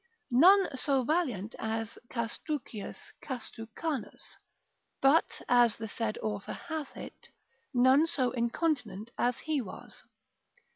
None so valiant as Castruccius Castrucanus, but, as the said author hath it, none so incontinent as he was.